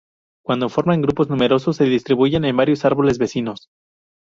Cuando forman grupos numerosos se distribuyen en varios árboles vecinos.